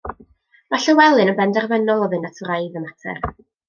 Mae Llywelyn yn benderfynol o fynd at wraidd y mater.